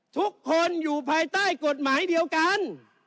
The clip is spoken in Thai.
ทุกคนอยู่ภายใต้กฎหมายเดียวกัน